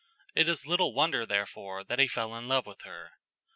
It is little wonder, therefore, that he fell in love with her.